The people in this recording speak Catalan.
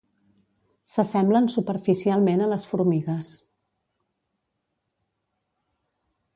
S'assemblen superficialment a les formigues.